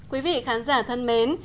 quý vị khán giả thân mến